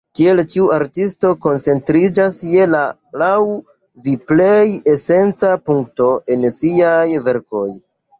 Tiel ĉiu artisto koncentriĝas je la laŭ vi plej esenca punkto en siaj verkoj.